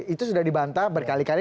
itu sudah dibantah berkali kali